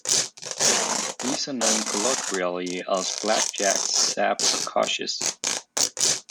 These are known colloquially as blackjacks, saps, or coshes.